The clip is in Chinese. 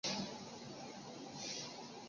樊陵人。